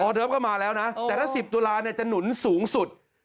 เดิฟก็มาแล้วนะแต่ละ๑๐ตุลาจะหนุนสูงสุด